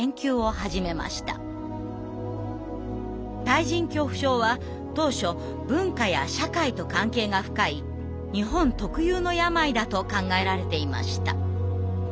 対人恐怖症は当初文化や社会と関係が深い日本特有の病だと考えられていました。